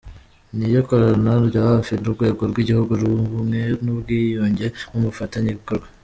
Niyo ikorana bya hafi n’Urwego rw’Igihugu rw’Ubumwe n’Ubwiyunge nk’umufatanyabikorwa.